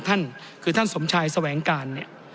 ท่านคือท่านสมชัยสแหวงการ